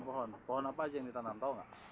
pohon pohon pohon apa aja yang ditanam tau gak